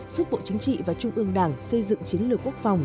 giúp bộ chính trị và trung ương đảng xây dựng chiến lược quốc phòng